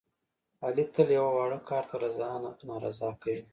علي تل یوه واړه کار ته رضا نارضا کوي.